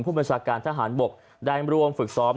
ผู้บัญชาการทหารบกได้ร่วมฝึกซ้อม